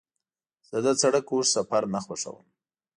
زه د سړک اوږد سفر نه خوښوم.